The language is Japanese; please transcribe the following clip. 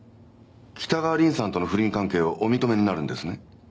北川凛さんとの不倫関係をお認めになるんですね。